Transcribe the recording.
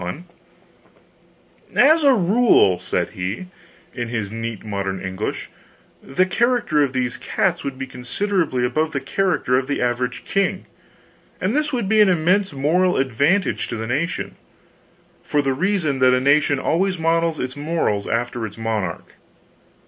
"And as a rule," said he, in his neat modern English, "the character of these cats would be considerably above the character of the average king, and this would be an immense moral advantage to the nation, for the reason that a nation always models its morals after its monarch's.